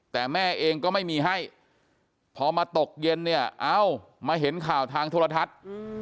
แต่แม่เองก็ไม่มีให้พอมาตกเย็นเนี่ยเอ้ามาเห็นข่าวทางโทรทัศน์